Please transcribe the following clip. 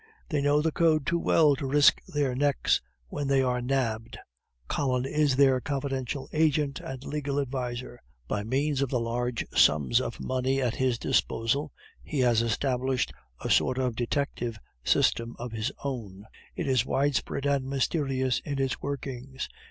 They know the Code too well to risk their necks when they are nabbed. Collin is their confidential agent and legal adviser. By means of the large sums of money at his disposal he has established a sort of detective system of his own; it is widespread and mysterious in its workings.